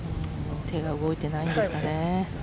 手が動いていないんですかね。